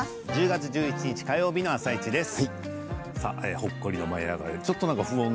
１０月１１日火曜日の「あさイチ」です。